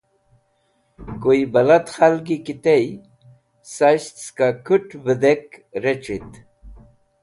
Koy bẽlad k̃halgi ki tey sas̃ht saka kũt̃ vedẽk rec̃hit.